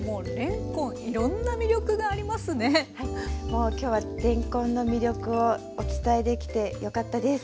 もう今日はれんこんの魅力をお伝えできてよかったです。